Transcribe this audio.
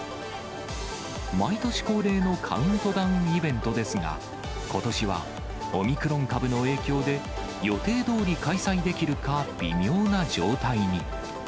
毎年恒例のカウントダウンイベントですが、ことしはオミクロン株の影響で予定どおり開催できるか、微妙な状態に。